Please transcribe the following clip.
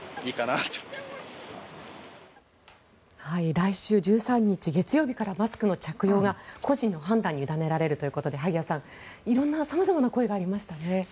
来週１３日月曜日からマスクの着用が個人の判断に委ねられるということで萩谷さん、色んな様々な声がありましたね。